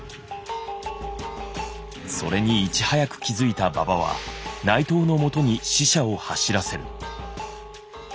それにいち早く気付いた馬場は内藤の元に使者を走らせる。